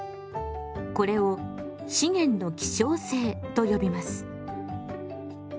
これを資源の希少性と呼びます。